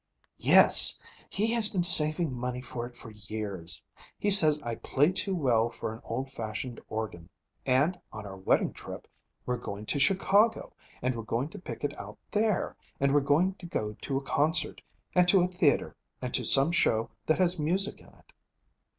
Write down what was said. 'Yes. He has been saving money for it for years. He says I play too well for an old fashioned organ. And on our wedding trip we're going to Chicago, and we're going to pick it out there, and we're going to a concert and to a theatre and to some show that has music in it.'